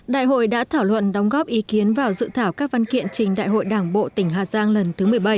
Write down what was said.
đại hội đã thảo luận đóng góp ý kiến vào dự thảo các văn kiện trình đại hội đảng bộ tỉnh hà giang lần thứ một mươi bảy